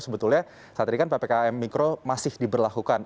sebetulnya saat ini kan ppkm mikro masih diberlakukan